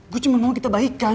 gue cuma mau kita baikkan